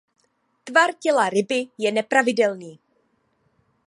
Tvar těla ryby je nepravidelný.